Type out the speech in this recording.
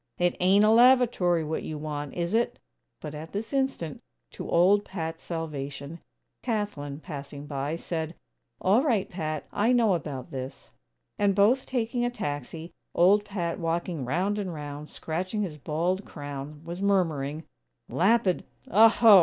It ain't a lavatory what you want, is it?" But at this instant, to old Pat's salvation, Kathlyn, passing by, said: "All right, Pat. I know about this;" and, both taking a taxi, old Pat walking round and round, scratching his bald crown, was murmuring: "Lapid Aho!